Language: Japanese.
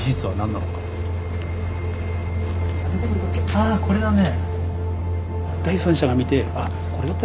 ああこれだね。